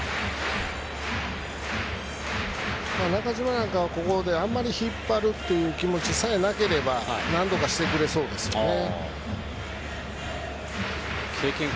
中島はここであまり引っ張るという気持ちさえなければなんとかしてくれそうですね。